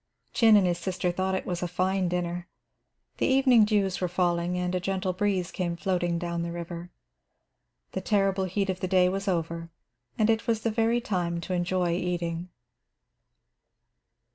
Chin and his sister thought it was a fine dinner. The evening dews were falling, and a gentle breeze came floating down the river. The terrible heat of the day was over and it was the very time to enjoy eating.